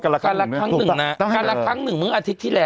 กันละครั้งหนึ่งนะกันละครั้งหนึ่งนะกันละครั้งหนึ่งมึงอาทิตย์ที่แล้ว